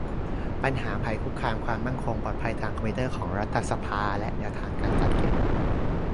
ปัญหาภัยคุกคามความมั่นคงปลอดภัยทางคอมพิวเตอร์ของรัฐสภา และ แนวทางการจัดเก็บ